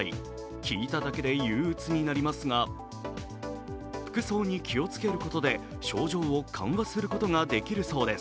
聞いただけで憂鬱になりますが、服装に気をつけることで症状を緩和することができるそうです。